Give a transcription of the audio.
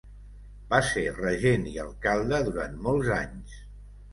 Va ser regent i alcalde durant molts anys.